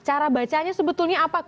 cara bacanya sebetulnya apa